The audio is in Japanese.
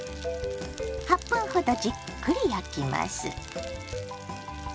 ８分ほどじっくり焼きます。